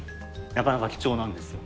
なかなか貴重なんですよ。